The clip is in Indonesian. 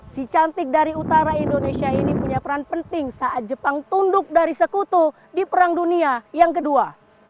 si cantik dari utara indonesia ini punya peran penting saat jepang tunduk dari sekutu di perang dunia yang kedua